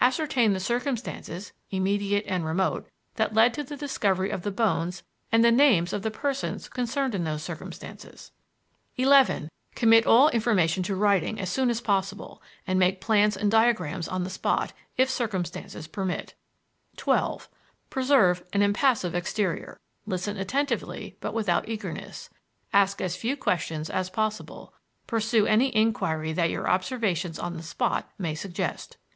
Ascertain the circumstances (immediate and remote) that led to the discovery of the bones and the names of the persons concerned in those circumstances. "11. Commit all information to writing as soon as possible, and make plans and diagrams on the spot, if circumstances permit. "12. Preserve an impassive exterior: listen attentively but without eagerness; ask as few questions as possible; pursue any inquiry that your observations on the spot may suggest."